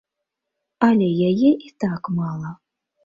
Але яе і так мала.